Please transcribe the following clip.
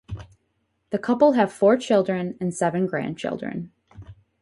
The couple have four children and seven grandchildren.